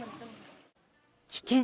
危険！